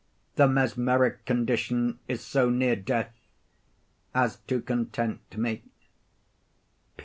The mesmeric condition is so near death as to content me.